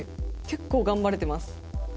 結構頑張れてます。